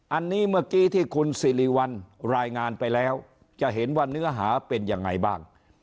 อันนี้เมื่อกี้ที่คุณสิริวัลรายงานไปแล้วจะเห็นว่าเนื้อหาเป็นยังไงบ้าง